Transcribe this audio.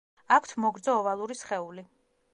აქვთ მოგრძო-ოვალური სხეული.